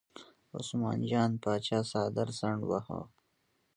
عثمان جان پاچا څادر څنډ واهه.